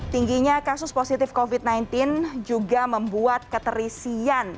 tingginya kasus positif covid sembilan belas juga membuat keterisian